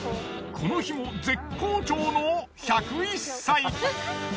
この日も絶好調の１０１歳。